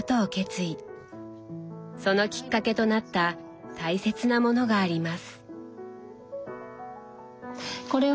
そのきっかけとなった大切なものがあります。